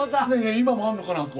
今もあんのかなあそこ。